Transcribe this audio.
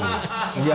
いや。